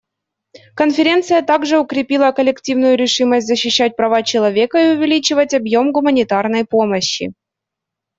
Конференция также укрепила коллективную решимость защищать права человека и увеличивать объем гуманитарной помощи.